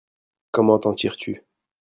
Comment t'en tires-tu ?